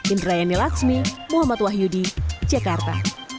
indra yani laksmi muhammad wahyudi jakarta